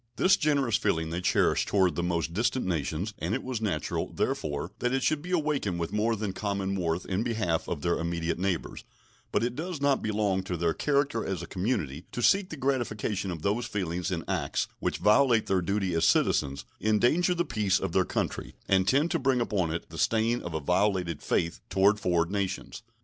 This generous feeling they cherish toward the most distant nations, and it was natural, therefore, that it should be awakened with more than common warmth in behalf of their immediate neighbors; but it does not belong to their character as a community to seek the gratification of those feelings in acts which violate their duty as citizens, endanger the peace of their country, and tend to bring upon it the stain of a violated faith toward foreign nations.